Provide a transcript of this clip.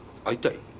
会いたい？